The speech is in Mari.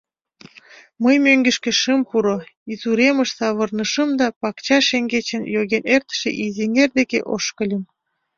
Мый мӧҥгышкӧ шым пуро, изуремыш савырнышым да пакча шеҥгечын йоген эртыше изэҥер деке ошкыльым.